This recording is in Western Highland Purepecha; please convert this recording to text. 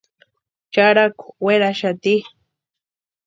Charhaku werhaxati.